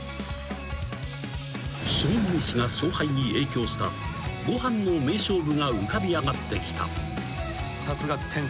［将棋めしが勝敗に影響したごはんの名勝負が浮かび上がってきた］